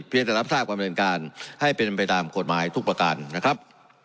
เพียงแต่รับทราบกว่าบริเวณการให้เป็นไปตามโคตรหมายทุกประการนะครับ